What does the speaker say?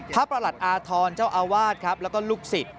ประหลัดอาธรณ์เจ้าอาวาสครับแล้วก็ลูกศิษย์